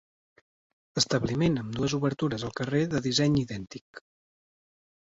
Establiment amb dues obertures al carrer de disseny idèntic.